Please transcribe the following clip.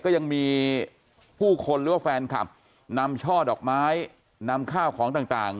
ก็ยังมีผู้คนหรือว่าแฟนคลับนำช่อดอกไม้นำข้าวของต่าง